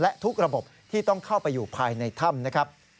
และทุกระบบที่ต้องเข้าไปอยู่ภายในถ้ำนะครับ